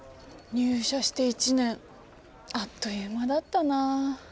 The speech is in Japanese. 入社して１年あっという間だったな。